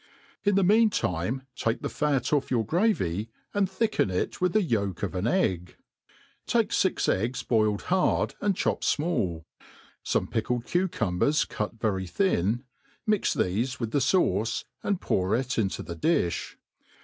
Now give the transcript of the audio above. In the mean time take the fat off your gravy, and thicken it with the yolk of an egg ; take fix eggs boiled hard and chopped fmall, fome pickled cucumbers cut very thin ; mfx thefe with the faure, ahd pour it into the di(h.